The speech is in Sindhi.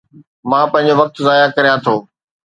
مان پنهنجو وقت ضايع ڪريان ٿو